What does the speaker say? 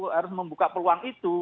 harus membuka peluang itu